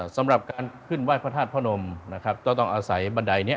สำหรับการขึ้นไหว้พระธาตุพระนมนะครับก็ต้องอาศัยบันไดนี้